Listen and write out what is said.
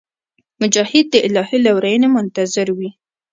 مجاهد د الهي لورینې منتظر وي.